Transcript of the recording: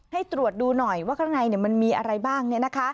ให้ตรวจดูหน่อยว่าข้างในมันมีอะไรบ้าง